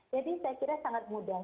jadi saya kira sangat mudah